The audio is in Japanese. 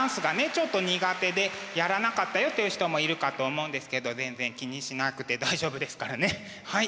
ちょっと苦手でやらなかったよっていう人もいるかと思うんですけど全然気にしなくて大丈夫ですからねはい。